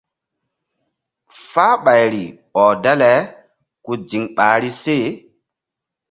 Fahɓayri ɔh dale ku ziŋ ɓahri se.